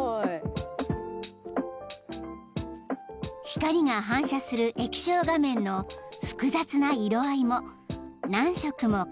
［光が反射する液晶画面の複雑な色合いも何色も重ねながら］